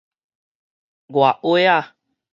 外挖仔